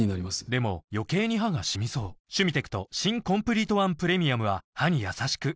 でも余計に歯がシミそう「シュミテクト新コンプリートワンプレミアム」は歯にやさしく